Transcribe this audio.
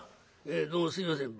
「どうもすいません」。